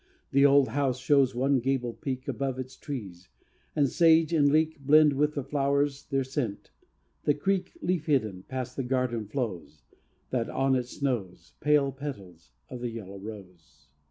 The old house shows one gable peak Above its trees; and sage and leek Blend with the flowers' their scent: the creek, Leaf hidden, past the garden flows, That on it snows Pale petals of the yellow rose.